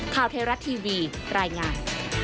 ข้าวเทราะห์ทีวีรายงาน